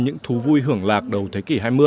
những thú vui hưởng lạc đầu thế kỷ hai mươi